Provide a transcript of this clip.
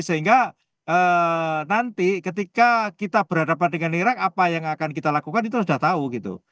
sehingga nanti ketika kita berhadapan dengan irak apa yang akan kita lakukan itu sudah tahu gitu